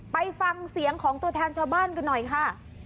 ไปฟังเสียงของตัวแทนชาวบ้านกันหน่อยค่ะ